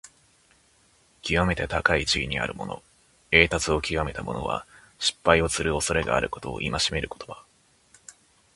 きわめて高い地位にあるもの、栄達をきわめた者は、失敗をするおそれがあることを戒める言葉。